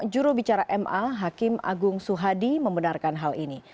jurubicara ma hakim agung suhadi membenarkan hal ini